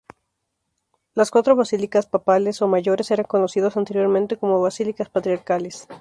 Las cuatro "basílicas papales" o "mayores" eran conocidos anteriormente como ""basílicas patriarcales"".